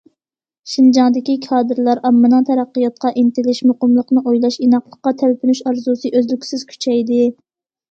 شىنجاڭدىكى كادىرلار، ئاممىنىڭ تەرەققىياتقا ئىنتىلىش، مۇقىملىقنى ئويلاش، ئىناقلىققا تەلپۈنۈش ئارزۇسى ئۈزلۈكسىز كۈچەيدى.